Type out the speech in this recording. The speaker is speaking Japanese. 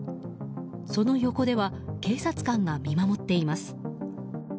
その横では警察官が見守っています。